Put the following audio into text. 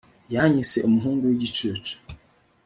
Yanyise umuhungu wigicucu